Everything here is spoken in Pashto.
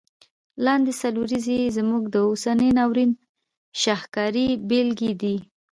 لاندي څلوریځي یې زموږ د اوسني ناورین شاهکاري بیلګي دي.